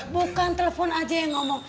bukan telepon aja yang ngomong